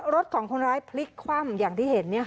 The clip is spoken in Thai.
รถของคนร้ายพลิกคว่ำอย่างที่เห็น